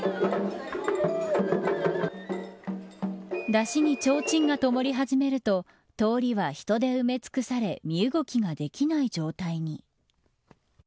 山車にちょうちんがともり始めると通りは人で埋め尽くされ身動きができない状態に。